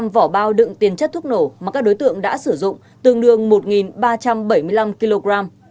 một mươi vỏ bao đựng tiền chất thuốc nổ mà các đối tượng đã sử dụng tương đương một ba trăm bảy mươi năm kg